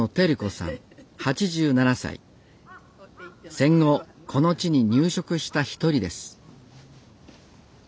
戦後この地に入植した一人です